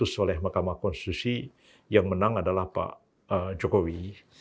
dan diputus oleh makamah konstitusi yang menang adalah pak jokowi